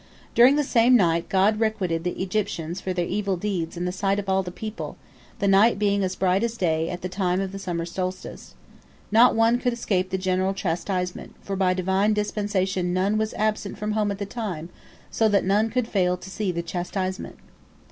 During the same night God requited the Egyptians for their evil deeds in the sight of all the people, the night being as bright as day at the time of the summer solstice. Not one could escape the general chastisement, for by Divine dispensation none was absent from home at the time, so that none could fail to see the chastisement.